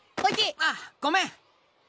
ああごめん。